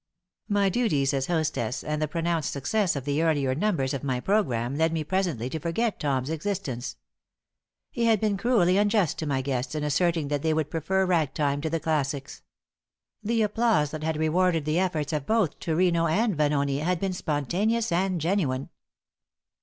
'" My duties as hostess and the pronounced success of the earlier numbers of my program led me presently to forget Tom's existence. He had been cruelly unjust to my guests in asserting that they would prefer ragtime to the classics. The applause that had rewarded the efforts of both Turino and Vanoni had been spontaneous and genuine.